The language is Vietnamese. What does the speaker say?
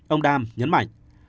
ông đam nhấn mạnh